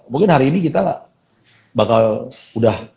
mungkin hari ini kita bakal udah